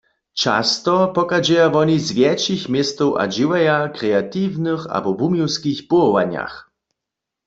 Často pochadźeja woni z wjetšich městow a dźěłaja w kreatiwnych abo wuměłskich powołanjach.